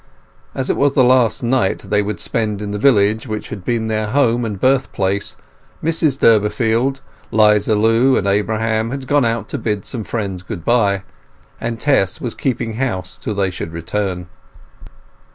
As it was the last night they would spend in the village which had been their home and birthplace, Mrs Durbeyfield, 'Liza Lu, and Abraham had gone out to bid some friends goodbye, and Tess was keeping house till they should return.